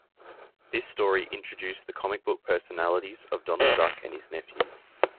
This story introduced the comic book personalities of Donald Duck and his nephews.